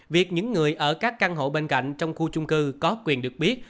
việc những người ở các căn hộ bên cạnh trong khu chung cư có quyền được biết